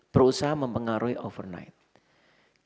berusaha mempengaruhi overnight interbank rate